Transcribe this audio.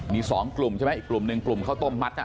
มี๒กลุ่มใช่ไหมอีกกลุ่มหนึ่งกลุ่มข้าวต้มมัด